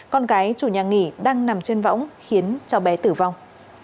con gái chủ nhà nghỉ đang nằm trên võng khiến cháu bé tử vong